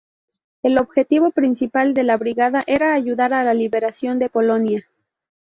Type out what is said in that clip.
El objetivo principal de la brigada, era ayudar a la liberación de Polonia.